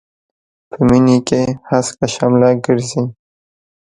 په مينې کې هسکه شمله ګرځي.